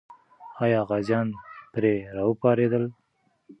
آیا غازیان پرې راوپارېدل؟